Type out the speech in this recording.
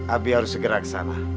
abi harus segera ke sana